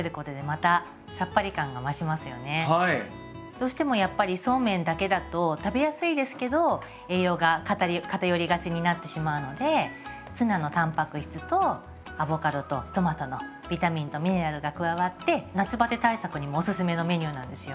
どうしてもやっぱりそうめんだけだと食べやすいですけど栄養が偏りがちになってしまうのでツナのタンパク質とアボカドとトマトのビタミンとミネラルが加わって夏バテ対策にもおすすめのメニューなんですよ。